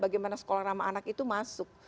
bagaimana sekolah ramah anak itu masuk